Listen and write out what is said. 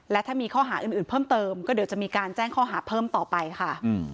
และถ้ามีข้อหาอื่นเพิ่มเติมก็เดี๋ยวจะมีการแจ้งข้อหาเพิ่มต่อไปค่ะ